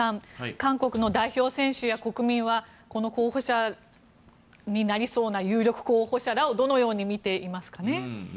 韓国の代表選手や国民はこの候補者になりそうな有力候補者らをどのように見ていますかね。